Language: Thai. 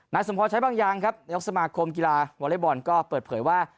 สมพรใช้บางอย่างครับนายกสมาคมกีฬาวอเล็กบอลก็เปิดเผยว่า